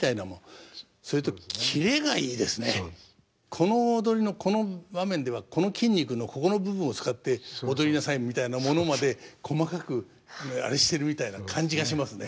この踊りのこの場面ではこの筋肉のここの部分を使って踊りなさいみたいなものまで細かくあれしてるみたいな感じがしますね。